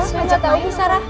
saya gak tau bisa lah